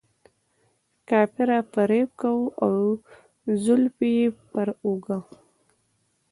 کافره، فریب کاره او زلفې یې پر اوږه.